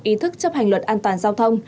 ý thức chấp hành luật an toàn giao thông